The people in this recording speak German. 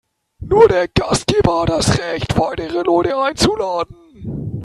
Nur der Gastgeber hat das Recht, weitere Leute einzuladen.